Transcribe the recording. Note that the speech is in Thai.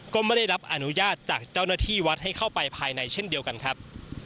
ก็ไม่ได้รับอนุญาตจากเจ้าหน้าที่วัดให้เข้าไปภายในเช่นเดียวกันครับ